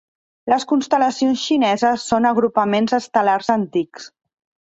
Les constel·lacions xineses són agrupaments estel·lars antics.